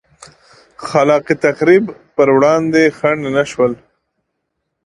خلا ق تخریب پر وړاندې خنډ نه شول.